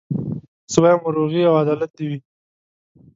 زه وايم وروغي او عدالت دي وي